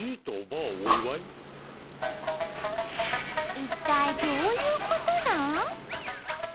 一体どういうことなん？